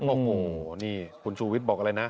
โอ้โหนี่คุณชูวิทย์บอกอะไรนะ